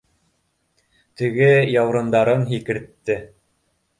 Теге яурындарын һикертте